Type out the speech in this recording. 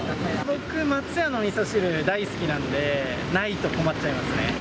僕、松屋のみそ汁、大好きなんで、ないと困っちゃいますね。